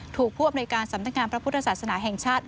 ผู้อำนวยการสำนักงานพระพุทธศาสนาแห่งชาติ